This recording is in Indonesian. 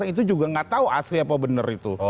itu juga gak tau asli apa bener itu